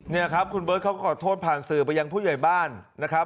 นี่ครับคุณเบิร์ตเขาขอโทษผ่านสื่อไปยังผู้ใหญ่บ้านนะครับ